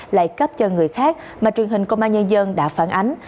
lại cấp cho người khác mà truyền hình công an nhân dân đã phản ánh